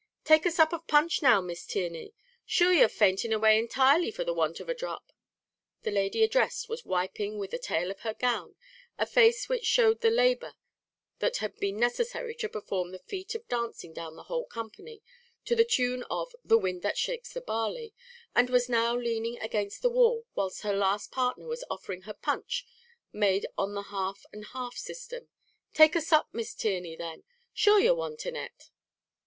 "Take a sup of punch now, Miss Tierney; shure you're fainting away entirely for the want of a dhrop." The lady addressed was wiping, with the tail of her gown, a face which showed the labour that had been necessary to perform the feat of dancing down the whole company to the tune of the "wind that shakes the barley," and was now leaning against the wall, whilst her last partner was offering her punch made on the half and half system: "Take a sup, Miss Tierney, then; shure you're wanting it."